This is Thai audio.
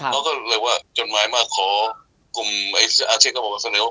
พร้อมก็เลยว่าจนถ่ายมาขอกลุ่มกลุ่มอะเทียนะ